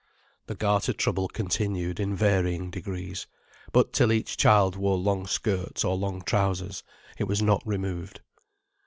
The garter trouble continued in varying degrees, but till each child wore long skirts or long trousers, it was not removed.